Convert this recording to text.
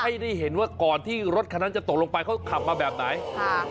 ให้ได้เห็นว่าก่อนที่รถคันนั้นจะตกลงไปเขาขับมาแบบไหนค่ะ